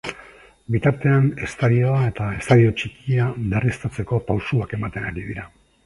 Bitartean, estadioa eta estadio txikia berriztatzeko pausuak ematen ari dira.